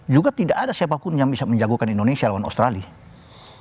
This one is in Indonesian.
juga tidak ada siapapun yang bisa menjagokan indonesia lawan australia